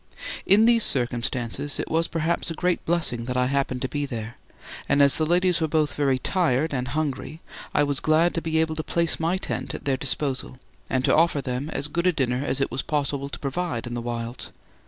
In these circumstances it was perhaps a great blessing that I happened to be there; and as the ladies were both very tired and hungry, I was glad to be able to place my tent at their disposal and to offer them as good a dinner as it was possible to provide in the wilds.